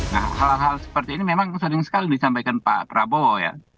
nah hal hal seperti ini memang sering sekali disampaikan pak prabowo ya